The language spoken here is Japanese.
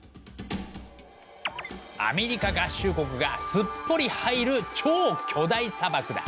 アメリカ合衆国がすっぽり入る超巨大砂漠だ。